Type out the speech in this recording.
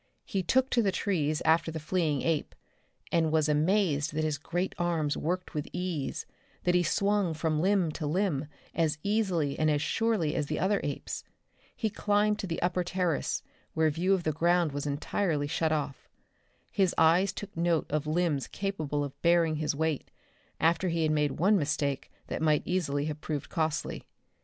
He took to the trees after the fleeing ape, and was amazed that his great arms worked with ease, that he swung from limb to limb as easily and as surely as the other apes. He climbed to the upper terrace, where view of the ground was entirely shut off. His eyes took note of limbs capable of bearing his weight after he had made one mistake that might easily have proved costly.